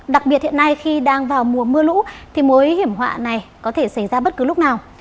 đặc biệt hiện nay khi đang vào mùa mưa lũ thì mối hiểm họa này có thể xảy ra bất cứ lúc nào